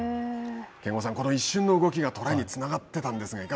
憲剛さん、この一瞬の動きがトライにつながっていたんです。